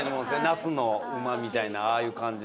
ナスの馬みたいなああいう感じ。